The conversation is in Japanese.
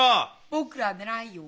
僕らでないよ。